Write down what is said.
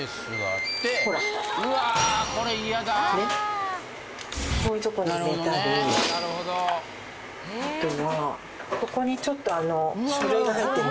あとはここにちょっとあの。